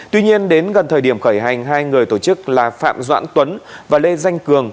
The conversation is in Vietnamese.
tuy nhiên đến gần thời điểm khởi hành hai người tổ chức là phạm doãn tuấn và lê danh cường